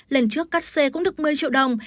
lần trước cắt xê cũng được một mươi triệu đồng